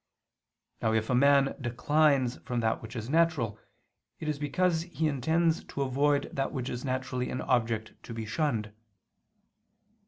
Now if a man declines from that which is natural, it is because he intends to avoid that which is naturally an object to be shunned.